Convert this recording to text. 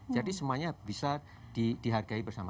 jadi semuanya bisa dihargai bersama sama